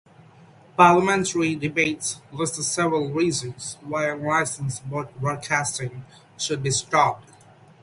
Parliamentary debates listed several reasons why unlicensed broadcasting should be stopped.